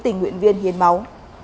tình nguyện viên hiến máu